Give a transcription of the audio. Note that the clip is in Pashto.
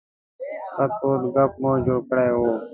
ښه تود ګپ مو جوړ کړی و.